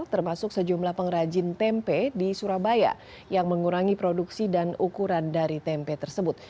termasuk sejumlah pengrajin tempe di surabaya yang mengurangi produksi dan ukuran dari tempe tersebut